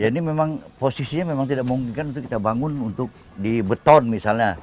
ini memang posisinya memang tidak memungkinkan untuk kita bangun untuk di beton misalnya